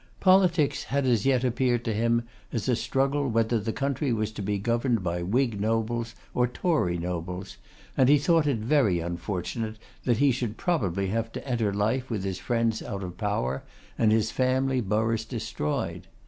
Politics had as yet appeared to him a struggle whether the country was to be governed by Whig nobles or Tory nobles; and he thought it very unfortunate that he should probably have to enter life with his friends out of power, and his family boroughs destroyed.